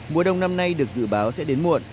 mùa đông năm nay được dự báo sẽ đến muộn